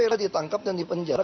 saya rera ditangkap dan dipenjara